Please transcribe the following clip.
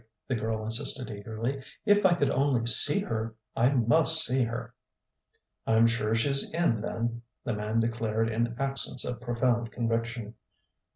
the girl insisted eagerly. "If I could only see her ... I must see her!" "I'm sure she's in, then!" the man declared in accents of profound conviction.